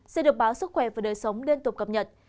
sẽ được báo sức khỏe và đời sống liên tục cập nhật